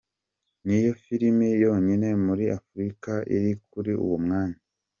Niyo film yonyine muri Afurika iri kuri uwo mwanya.